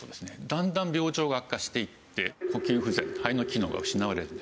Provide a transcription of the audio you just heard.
だんだん病状が悪化していって呼吸不全肺の機能が失われる。